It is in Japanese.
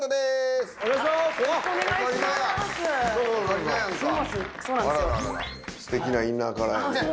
あららすてきなインナーカラーや。